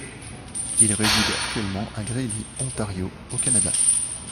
Il réside actuellement à Greely, Ontario, au Canada.